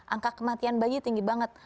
angka kematian bayi tinggi banget